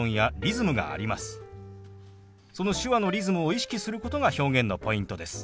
その手話のリズムを意識することが表現のポイントです。